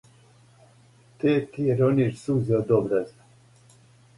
"Те ти рониш сузе од образа?"